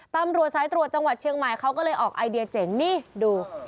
ตำรวจสายตรวจจังหวัดเชียงใหม่เขาก็เลยออกไอเดียเจ๋งนี่ดู